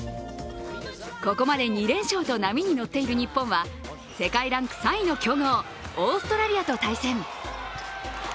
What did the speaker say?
ここまで２連勝と波に乗っている日本は世界ランク３位の強豪オーストラリアと対戦。